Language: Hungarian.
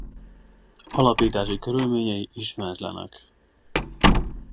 Alapítási körülményei ismeretlenek.